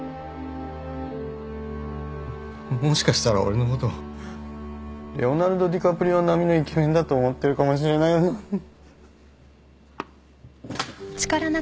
もしかしたら俺のことレオナルド・ディカプリオ並みのイケメンだと思ってるかもしれないよな。